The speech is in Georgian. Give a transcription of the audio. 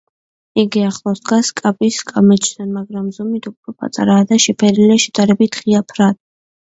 იგი ახლოს დგას კაპის კამეჩთან, მაგრამ ზომით უფრო პატარაა და შეფერილია შედარებით ღია ფრად.